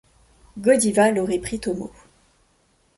Godiva l'aurait prit au mot.